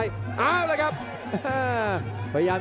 โยกขวางแก้งขวา